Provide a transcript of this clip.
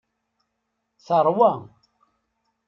Teṛwa.